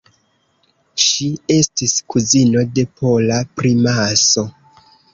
Ŝi estis kuzino de pola primaso.